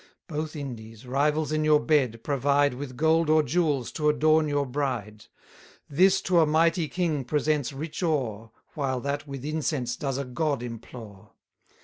Both Indies, rivals in your bed, provide With gold or jewels to adorn your bride. This to a mighty king presents rich ore, While that with incense does a god implore.